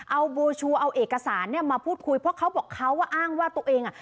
เอาบัวชูเอาเอกสารเนี่ยมาพูดคุยเพราะเขาบอกเขาว่าอ้างว่าตัวเองอ่ะ